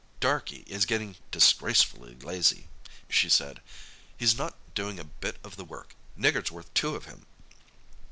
"Darkie is getting disgracefully lazy," she said. "He's not doing a bit of the work. Nigger's worth two of him."